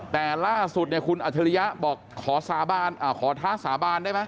แต่ล่าสุดเนี่ยคุณอัชริยะบอกขอท้าสาบานได้ไหม